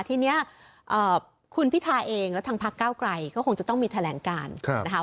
ทีนี้คุณพิทาเองและทางพักเก้าไกลก็คงจะต้องมีแถลงการนะคะ